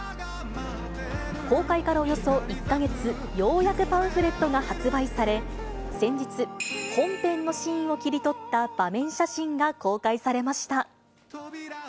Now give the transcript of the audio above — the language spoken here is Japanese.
公開からおよそ１か月、ようやくパンフレットが発売され、先日、本編のシーンを切り取った場面写真が公開されました。